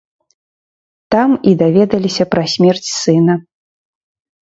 Там і даведаліся пра смерць сына.